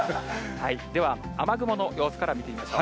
では雨雲の様子から見てみましょう。